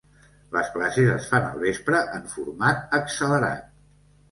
Les classes es fan al vespre en format accelerat.